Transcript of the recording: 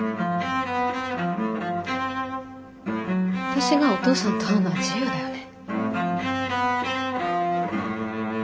私がお父さんと会うのは自由だよね。